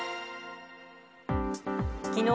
きのう